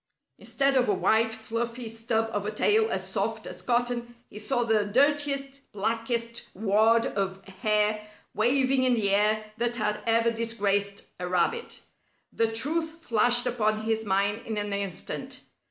Instead of a white, fluffy stub of a tail as soft as cotton, he saw the dirtiest, blackest wad of hair waving in the air that had ever disgraced a rabbit. The truth flashed upon his mind in an instant.